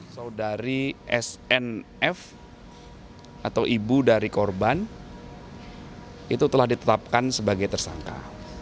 saudari snf atau ibu dari korban itu telah ditetapkan sebagai tersangka